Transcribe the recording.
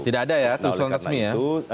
tidak ada ya usulan resmi ya